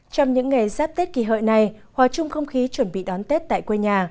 trong những ngày giáp tết kỳ hợi này hòa chung không khí chuẩn bị đón tết tại quê nhà